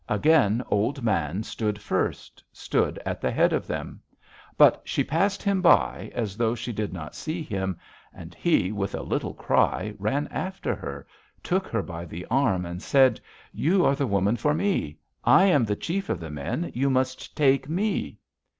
Again Old Man stood first, stood at the head of them. But she passed him by, as though she did not see him, and he, with a little cry, ran after her, took her by the arm, and said: 'You are the woman for me. I am the chief of the men: you must take me!'